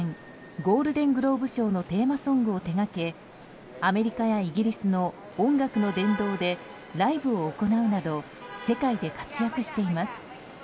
ゴールデングローブ賞のテーマソングを手掛けアメリカやイギリスの音楽の殿堂でライブを行うなど世界で活躍しています。